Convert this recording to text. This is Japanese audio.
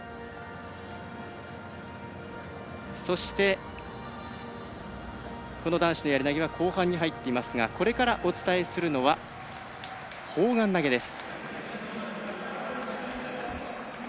そして、男子のやり投げは後半に入っていますがこれからお伝えするのは砲丸投げです。